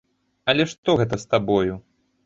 Але што гэта з табою?